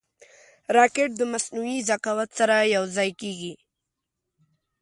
راکټ د مصنوعي ذکاوت سره یوځای کېږي